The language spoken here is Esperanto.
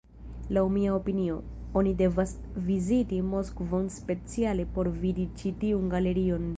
Laŭ mia opinio, oni devas viziti Moskvon speciale por vidi ĉi tiun galerion.